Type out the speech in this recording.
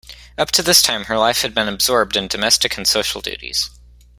Up to this time, her life had been absorbed in domestic and social duties.